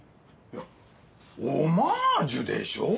いやオマージュでしょ。